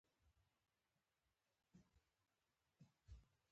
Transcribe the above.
ځغاسته د خپل مهارت تمرین دی